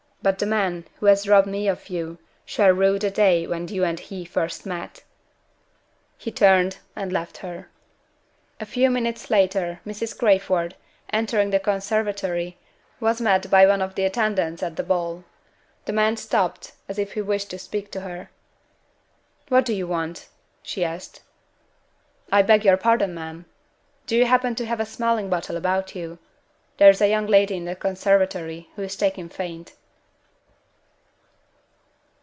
But the man who has robbed me of you shall rue the day when you and he first met." He turned and left her. A few minutes later, Mrs. Crayford, entering the conservatory, was met by one of the attendants at the ball. The man stopped as if he wished to speak to her. "What do you want?" she asked. "I beg your pardon, ma'am. Do you happen to have a smelling bottle about you? There is a young lady in the conservatory who is taken faint."